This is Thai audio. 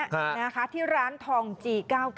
นะคะที่ร้านทองจี๙๙